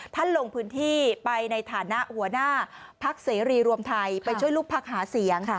ลงพื้นที่ไปในฐานะหัวหน้าพักเสรีรวมไทยไปช่วยลูกพักหาเสียง